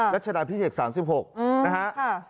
รัชดาพิเศษ๓๖นะฮะ